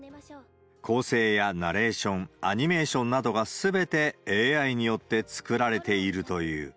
構成やナレーション、アニメーションなどが、すべてＡＩによって作られているという。